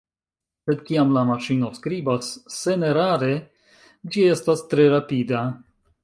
Sed, kiam la maŝino skribas senerare, ĝi estas tre rapida.